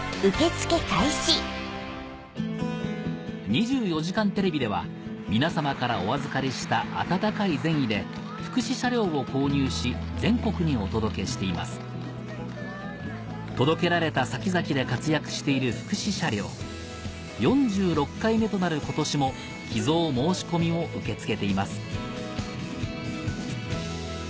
『２４時間テレビ』では皆さまからお預かりした温かい善意で福祉車両を購入し全国にお届けしています届けられた先々で活躍している福祉車両４６回目となる今年も寄贈申し込みを受け付けています